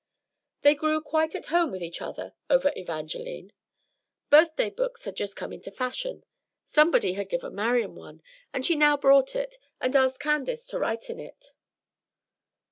They grew quite at home with each other over "Evangeline." Birthday books had just come into fashion. Somebody had given Marian one; and she now brought it and asked Candace to write in it.